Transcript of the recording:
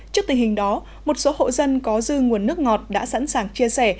trước tình hình đó một số hộ dân có dư nguồn nước ngọt đã sẵn sàng chia sẻ